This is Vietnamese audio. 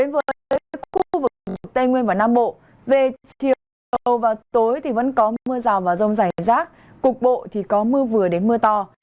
với khu vực tây nguyên và nam bộ về chiều tối và tối thì vẫn có mưa rào và rông rải rác cục bộ thì có mưa vừa đến mưa to